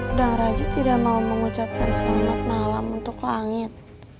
udang raju tidak mau mengucapkan selamat malam untuk langit